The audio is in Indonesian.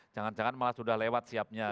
jangan jangan malah sudah lewat siapnya